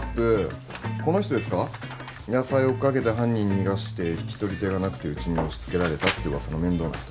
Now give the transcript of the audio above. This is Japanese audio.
野菜追っ掛けて犯人逃がして引き取り手がなくてうちに押し付けられたって噂の面倒な人。